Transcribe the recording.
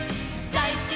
だいすき！